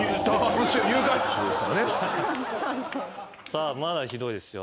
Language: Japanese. さあまだひどいですよ。